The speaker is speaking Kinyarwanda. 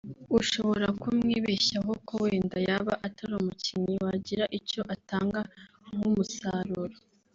ushobora kumwibeshyaho ko wenda yaba atari umukinnyi wagira icyo atanga nk’umusaruro